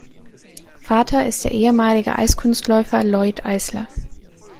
Vater ist der ehemalige Eiskunstläufer Lloyd Eisler.